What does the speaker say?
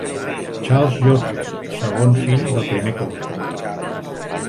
Charles Yorke, segon fill del primer comte.